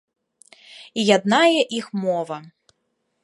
І яднае іх мова.